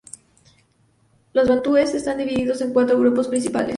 Los bantúes están divididos en cuatro grupos principales.